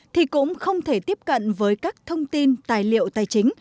thì cũng không thể tiếp cận với các thông tin tài liệu tài chính